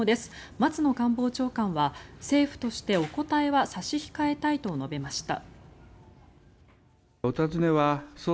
松野官房長官は、政府としてお答えは差し控えたいと述べました。